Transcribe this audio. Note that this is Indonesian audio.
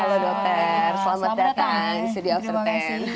halo dokter selamat datang di studio of the ten